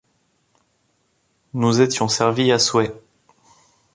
Nous étions servis à souhait.